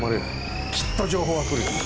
きっと情報は来るよ。